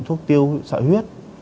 thuốc tiêu sợi huyết